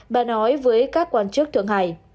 bà nói với các quan chức thượng hải